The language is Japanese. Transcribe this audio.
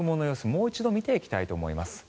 もう一度見ていきたいと思います。